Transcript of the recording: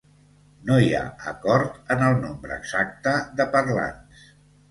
No hi ha acord en el nombre exacte de parlants.